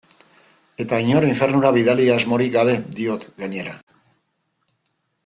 Eta inor infernura bidali asmorik gabe diot, gainera.